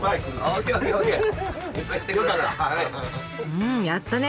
うんやったね！